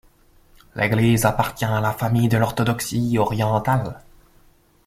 L'Église appartient à la famille de l'orthodoxie orientale.